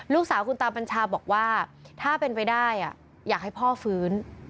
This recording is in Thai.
ลูกสาวคุณตาปัญชาบอกว่าถ้าเป็นไปได้อยากให้พ่อฟื้น